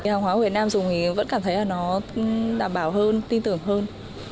hàng hóa của việt nam dùng thì vẫn cảm thấy là nó đảm bảo hơn tin tưởng hơn